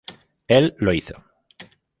Él lo hizo.